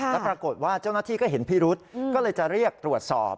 แล้วปรากฏว่าเจ้าหน้าที่ก็เห็นพิรุษก็เลยจะเรียกตรวจสอบ